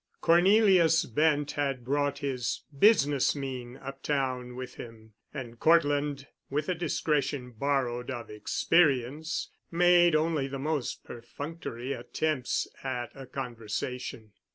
Cornelius Bent had brought his business mien uptown with him, and Cortland, with a discretion borrowed of experience, made only the most perfunctory attempts at a conversation.